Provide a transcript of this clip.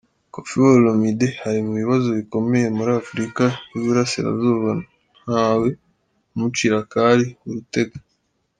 Koffi Olomide ari mu bibazo bikomeye, muri Afurika y’Uburasirazuba ntawe umucira akari urutega.